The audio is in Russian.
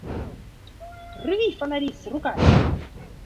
– Рви фонари с руками!